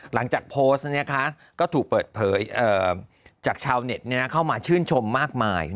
หลังจากโพสต์ก็ถูกเปิดเผยจากชาวเน็ตเข้ามาชื่นชมมากมาย